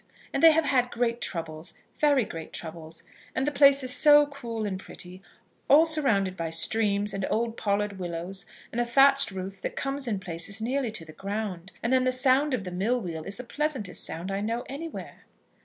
And they have had great troubles, very great troubles. And the place is so cool and pretty, all surrounded by streams and old pollard willows, with a thatched roof that comes in places nearly to the ground; and then the sound of the mill wheel is the pleasantest sound I know anywhere."